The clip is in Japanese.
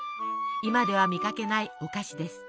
今では見かけないお菓子です。